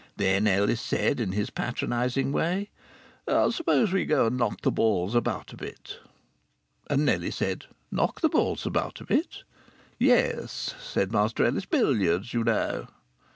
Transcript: Then Ellis said, in his patronizing way: "Suppose we go and knock the balls about a bit?" And Nellie said, "Knock the balls about a bit?" "Yes," said Master Ellis, "billiards you know."